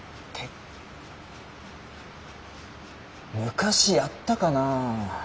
昔やったかなあ？